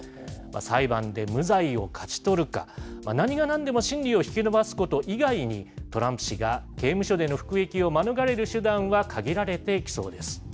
裁判で無罪を勝ち取るか、何がなんでも審理を引き延ばすこと以外に、トランプ氏が刑務所での服役を免れる手段は限られてきそうです。